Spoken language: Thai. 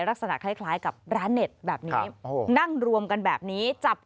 ลักษณะคล้ายกับร้านเน็ตแบบนี้